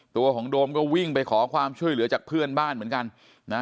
ตัวของโดมก็วิ่งไปขอความช่วยเหลือจากเพื่อนบ้านเหมือนกันนะ